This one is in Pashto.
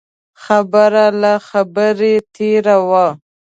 خبره له خبرې تېره وه.